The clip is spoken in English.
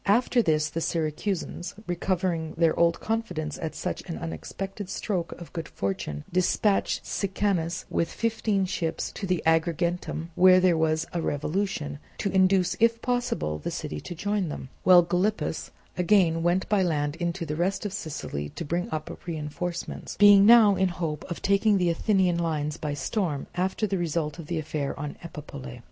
After this the Syracusans, recovering their old confidence at such an unexpected stroke of good fortune, dispatched Sicanus with fifteen ships to Agrigentum where there was a revolution, to induce if possible the city to join them; while Gylippus again went by land into the rest of Sicily to bring up reinforcements, being now in hope of taking the Athenian lines by storm, after the result of the affair on Epipolae.